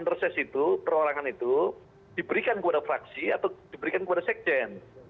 dalam reses itu perorangan itu diberikan kepada fraksi atau diberikan kepada sekjen